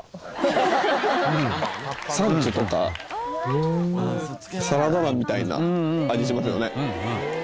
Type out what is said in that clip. サンチュとかサラダ菜みたいな味しますよね。